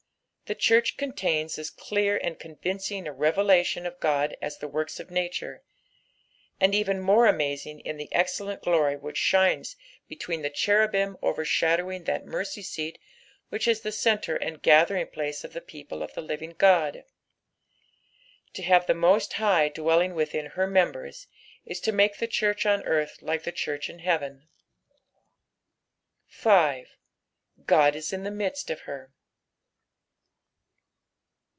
the church contains as clear and convinciug a revelation of God as the works of nature, and even more amazing in the excellent glory which shines between the cherubim overshadowing that mercy seat which is the centre and gathering place of the people of the living God. To have the Host High dwelling witliin her members, ia to make the church on earth like the church in heaven. 5. " God M in the midit of her."